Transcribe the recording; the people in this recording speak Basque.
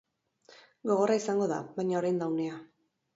Gogorra izango da, baina orain da unea.